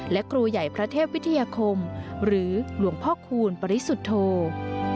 และกรุยัยพระเทพวิทยาคมหรือหลวงพ่อคูณปริสุทธิ์โทษ